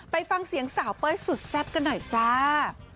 ไปฟังเสียงสาวเป้ยสุดแซ่บกันหน่อยจ้า